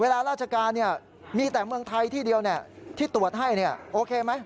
ราชการมีแต่เมืองไทยที่เดียวที่ตรวจให้โอเคไหม